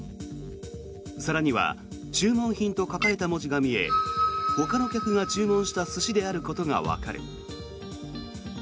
更には注文品と書かれた文字が見えほかの客が注文した寿司であることがわかる。